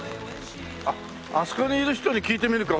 あそこにいる人に聞いてみるか。